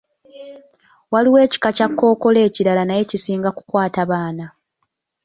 Waliwo ekika kya kkookolo ekirala naye kisinga kukwata baana.